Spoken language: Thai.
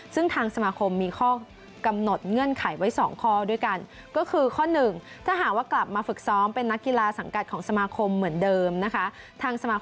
ซึ่งทางสมาคมมีข้อกำหนดเงื่อนไขไว้๒ข้อด้วยกัน